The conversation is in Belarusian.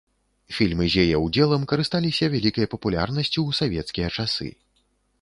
Фільмы з яе ўдзелам карысталіся вялікай папулярнасцю ў савецкія часы.